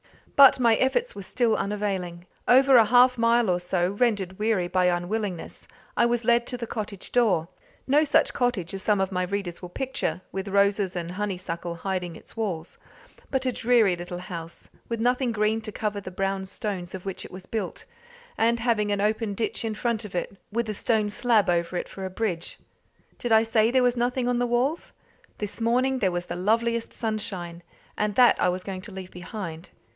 But my efforts were still unavailing. Over a half mile or so, rendered weary by unwillingness, I was led to the cottage door no such cottage as some of my readers will picture, with roses and honeysuckle hiding its walls, but a dreary little house with nothing green to cover the brown stones of which it was built, and having an open ditch in front of it with a stone slab over it for a bridge. Did I say there was nothing on the walls? This morning there was the loveliest sunshine, and that I was going to leave behind.